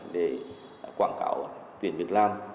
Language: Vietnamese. để quảng cáo tuyển việt nam